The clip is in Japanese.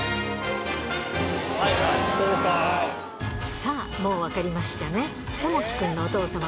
さぁもう分かりましたね？